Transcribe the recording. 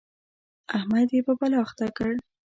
احمد يې په بلا اخته کړ.